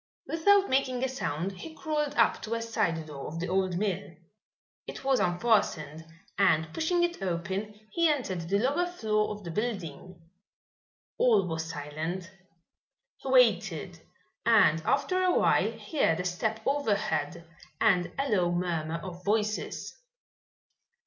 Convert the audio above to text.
Without making a sound he crawled up to a side door of the old mill. It was unfastened, and pushing it open, he entered the lower floor of the building. All was silent. He waited and after awhile heard a step overhead and a low murmur of voices.